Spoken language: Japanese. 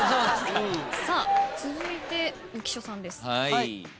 続いて浮所さんです。